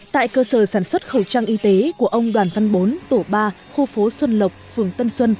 tại cơ sở sản xuất khẩu trang y tế của ông đoàn văn bốn tổ ba khu phố xuân lộc phường tân xuân